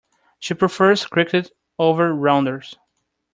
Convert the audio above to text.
She prefers cricket over rounders.